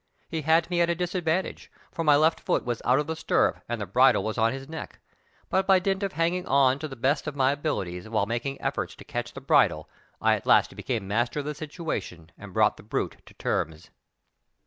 He had me at a disadvantage, as my left foot was out of the stir rup and the bridle was on his neck ; but by dint of hanging on to the best of my abilities while mak ing efforts to catch the bridle I at last became master of the situation, and brought the brute to terms.